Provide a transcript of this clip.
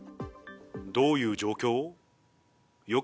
どういう状況？